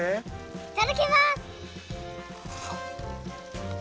いただきます！